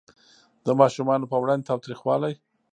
د ماشومانو په وړاندې تاوتریخوالی